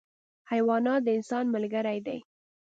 حیوانات د انسان ملګري دي.